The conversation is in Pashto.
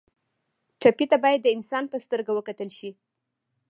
ټپي ته باید د انسان په سترګه وکتل شي.